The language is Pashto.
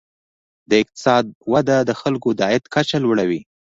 د اقتصاد وده د خلکو د عاید کچه لوړوي.